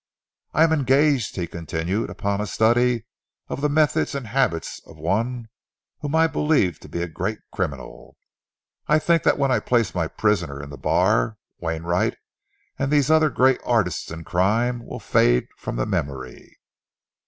"I am engaged," he continued, "upon a study of the methods and habits of one whom I believe to be a great criminal. I think that when I place my prisoner in the bar, Wainwright and these other great artists in crime will fade from the memory."